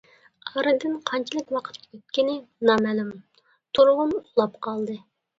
ئارىدىن قانچىلىك ۋاقىت ئۆتكىنى نامەلۇم تۇرغۇن ئۇخلاپ قالدى.